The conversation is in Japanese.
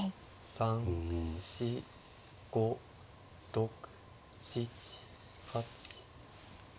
３４５６７８。